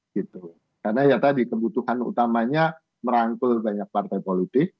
karena ya tadi kebutuhan utamanya merangkul banyak partai politik